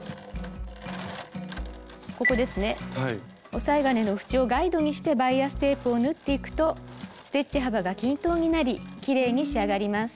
おさえ金のふちをガイドにしてバイアステープを縫っていくとステッチ幅が均等になりきれいに仕上がります。